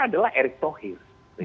adalah erick thohir